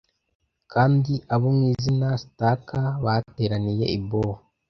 Kandi abo mwizina Stark bateraniye i Bow,